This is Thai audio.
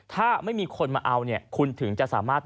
ถ้าไม่มีคนมาเอาเนี่ยคุณถึงจะสามารถ